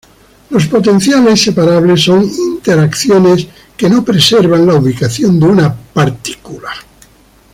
Los potenciales separables son interacciones que no preservan la ubicación de una partícula.